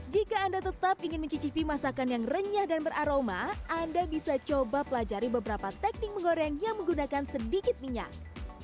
jika anda tetap ingin mencicipi masakan yang renyah dan beraroma anda bisa coba pelajari beberapa teknik menggoreng yang menggunakan sedikit minyak